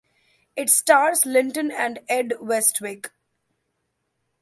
It stars Linton and Ed Westwick.